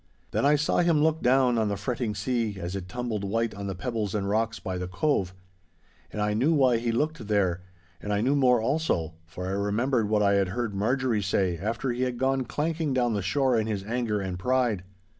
Then I saw him look down on the fretting sea, as it tumbled white on the pebbles and rocks by the Cove. And I knew why he looked there, and I knew more also, for I remembered what I had heard Marjorie say after he had gone clanking down the shore in his anger and pride.